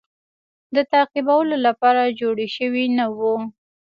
د تعقیبولو لپاره جوړ شوی نه وو.